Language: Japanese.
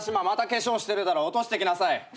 また化粧してるだろ落としてきなさい。